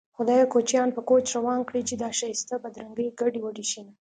خدايه کوچيان په کوچ روان کړې چې دا ښايسته بدرنګې ګډې وډې شينه